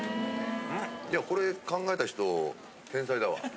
これ考えた人天才だわ。